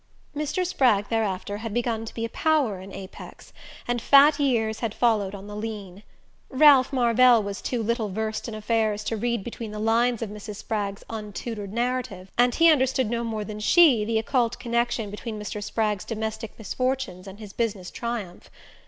Mr. Spragg, thereafter, had begun to be a power in Apex, and fat years had followed on the lean. Ralph Marvell was too little versed in affairs to read between the lines of Mrs. Spragg's untutored narrative, and he understood no more than she the occult connection between Mr. Spragg's domestic misfortunes and his business triumph.